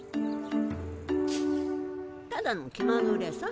ただの気まぐれさ。